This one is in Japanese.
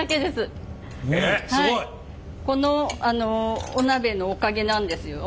このお鍋のおかげなんですよ。